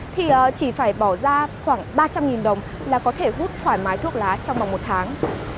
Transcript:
thì chỉ phải bỏ ra khoảng ba trăm linh đồng là có thể hút thoải mái thuốc lá trong vòng một tháng